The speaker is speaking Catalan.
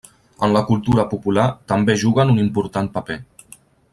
En la cultura popular també juguen un important paper.